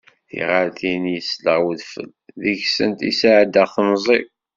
Tiɣaltin yesleɣ wedfel, deg-sent i sɛeddaɣ temẓi-w.